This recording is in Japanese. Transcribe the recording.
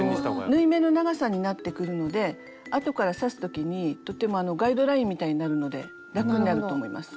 縫い目の長さになってくるので後から刺す時にとってもガイドラインみたいになるので楽になると思います。